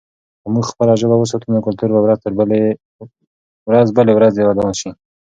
که موږ خپله ژبه وساتو، نو کلتور به ورځ بلې ورځې ودان شي.